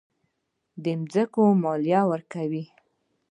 د ځمکې مالیه ورکوئ؟